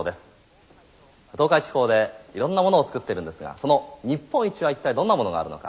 東海地方でいろんなものを作ってるんですがその日本一は一体どんなものがあるのか。